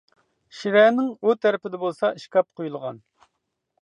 شىرەنىڭ ئۇ تەرىپىدە بولسا ئىشكاپ قويۇلغان.